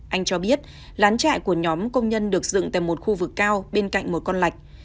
anh cho biết lán trại của nhóm công nhân được dựng tại một khu vực cao bên cạnh một con lạch